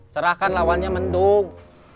serahkan lawannya mendung